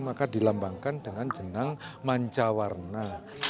maka dilambangkan dengan jenang manca warna